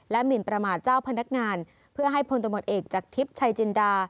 หมินประมาทเจ้าพนักงานเพื่อให้พลตำรวจเอกจากทิพย์ชัยจินดา